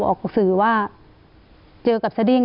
ออกสื่อว่าเจอกับสดิ้ง